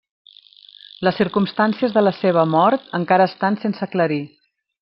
Les circumstàncies de la seva mort encara estan sense aclarir.